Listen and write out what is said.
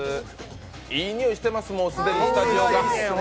いい匂いしています、もうスタジオが。